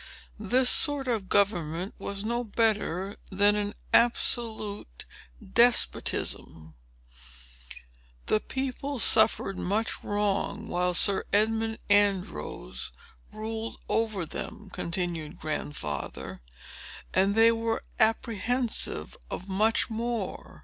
This sort of government was no better than an absolute despotism. "The people suffered much wrong, while Sir Edmund Andros ruled over them," continued Grandfather, "and they were apprehensive of much more.